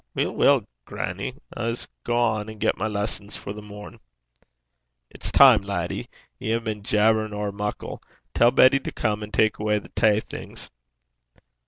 'Weel, weel, grannie. I s' gang and get my lessons for the morn.' 'It's time, laddie. Ye hae been jabberin' ower muckle. Tell Betty to come and tak' awa' the tay things.'